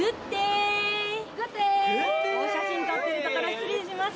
お写真撮っているところ失礼します。